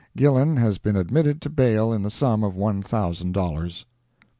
Gillan has been admitted to bail in the sum of one thousand dollars.